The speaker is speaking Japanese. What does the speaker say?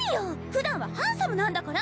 普段はハンサムなんだから！